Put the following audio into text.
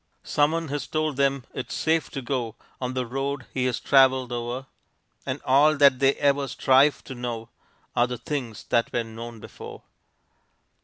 Someone has told them it's safe to go On the road he has traveled o'er, And all that they ever strive to know Are the things that were known before.